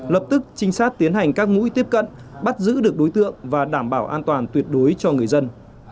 lập tức trinh sát tiến hành các mũi tiếp cận bắt giữ được đối tượng và đảm bảo an toàn tuyệt đối cho người dân